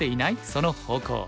その方向」。